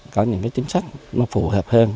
có những cái chính sách nó phù hợp hơn